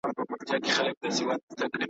په ځان روغ وو رنګ په رنګ یې خوراکونه .